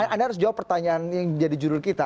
anda harus jawab pertanyaan yang jadi judul kita